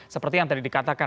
seperti yang tadi dikatakan